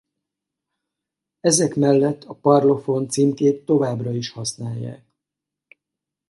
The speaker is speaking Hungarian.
Ezek mellett a Parlophone címkét továbbra is használják.